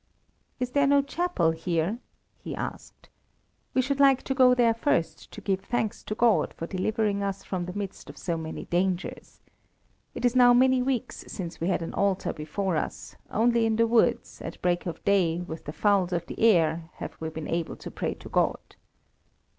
"Is there no chapel here?" he asked. "We should like to go there first to give thanks to God for delivering us from the midst of so many dangers. It is now many weeks since we had an altar before us, only in the woods, at break of day, with the fowls of the air, have we been able to pray to God."